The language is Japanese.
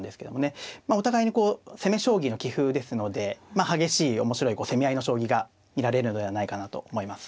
まあお互いに攻め将棋の棋風ですので激しい面白い攻め合いの将棋が見られるのではないかなと思います。